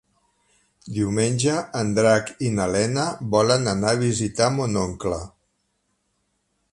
Diumenge en Drac i na Lena volen anar a visitar mon oncle.